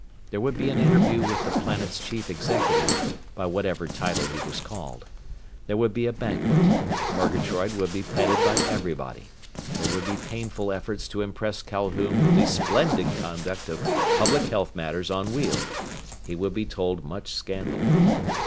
There would be an interview with the planet's chief executive, by whatever title he was called. There would be a banquet. Murgatroyd would be petted by everybody. There would be painful efforts to impress Calhoun with the splendid conduct of public health matters on Weald. He would be told much scandal.